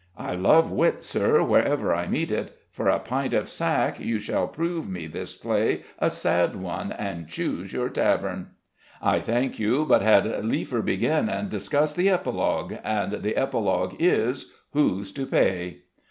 "I love wit, Sir, wherever I meet it. For a pint of sack you shall prove me this play a sad one, and choose your tavern!" "I thank you, but had liefer begin and discuss the epilogue: and the epilogue is 'Who's to pay?'"